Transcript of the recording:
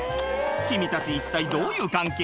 君たち一体どういう関係？